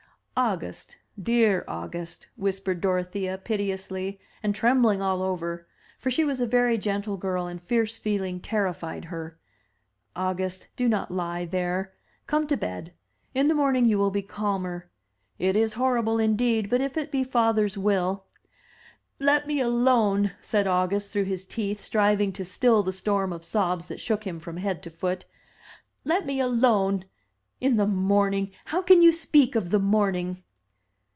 "August, dear August," whispered Dorothea, piteously, and trembling all over, — for she was a very gentle girl, and fierce feeling terrified her, — August, do not lie there. Come to bed. In the morning you will be calmer. It is horrible indeed, but if it be father's will—" "Let me alone," said August through his teeth, striving to still the storm of sobs that shook him from head to foot. "Let me alone. In the morning !— ^how can you speak of the morning?